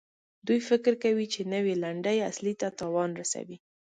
دوی فکر کوي چې نوي لنډۍ اصلي ته تاوان رسوي.